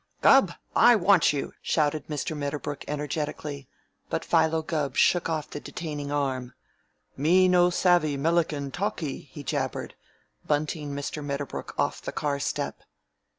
"Gubb! I want you!" shouted Mr. Medderbrook energetically, but Philo Gubb shook off the detaining arm. "Me no savvy Melican talkee," he jabbered, bunting Mr. Medderbrook off the car step.